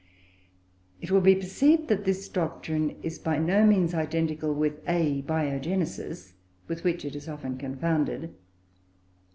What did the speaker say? It will be perceived that this doctrine is by no means identical with Abiogenesis, with which it is often confounded.